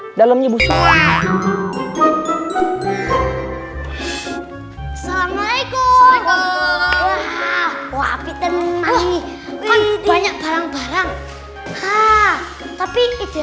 hai dalamnya busur assalamualaikum waafi teman teman banyak barang barang tapi itu